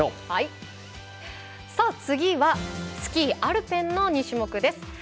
さあ次はスキーアルペンの２種目です。